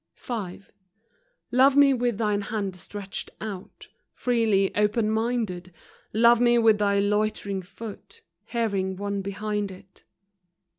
v, Love me with thine hand stretched out Freely, open minded ; Love me with thy loitering foot, Hearing one behind it.